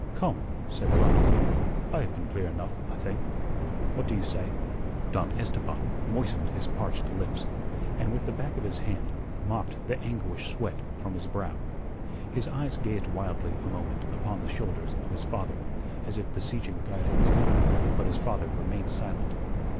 "Come," said Blood. "I have been clear enough, I think. What do you say?" Don Esteban moistened his parched lips, and with the back of his hand mopped the anguish sweat from his brow. His eyes gazed wildly a moment upon the shoulders of his father, as if beseeching guidance. But his father remained silent.